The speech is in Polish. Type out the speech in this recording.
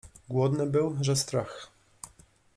Głodny był, że strach.